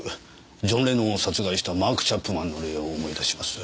ジョン・レノンを殺害したマーク・チャップマンの例を思い出します。